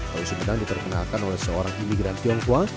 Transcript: lalu sumedang diperkenalkan oleh seorang imigran tionghoa